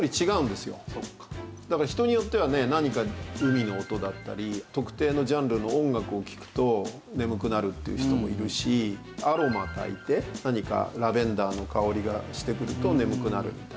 だから人によってはね何か海の音だったり特定のジャンルの音楽を聴くと眠くなるっていう人もいるしアロマたいて何かラベンダーの香りがしてくると眠くなるみたいな。